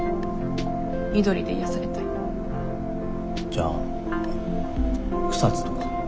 じゃあ草津とか？